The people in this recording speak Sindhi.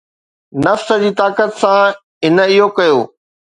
نفس جي طاقت سان، هن اهو ڪيو